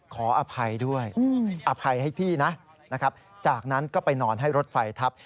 ขออภัยด้วยอภัยให้พี่นะนะครับจากนั้นก็ไปนอนให้รถไฟทับ